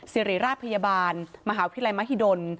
สิริราชพยาบาลมหาวิทยาลัยมหิดล